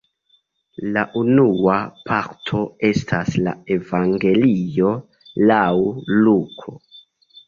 La unua parto estas la evangelio laŭ Luko.